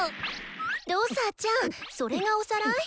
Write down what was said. ドサちゃんそれがおさらい？